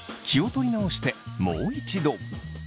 気を取り直してもう一度。